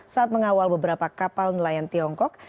saat mengawal beberapa kapal nelayan tiongkok